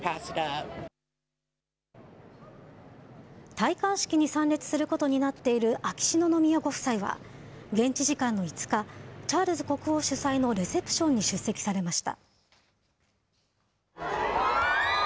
戴冠式に参列することになっている秋篠宮ご夫妻は、現地時間の５日、チャールズ国王主催のレセプションに出席されました。